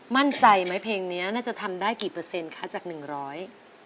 มั่นใจไหมเพลงเนี้ยน่าจะทำได้กี่เปอร์เซ็นต์จากหนึ่งร้อย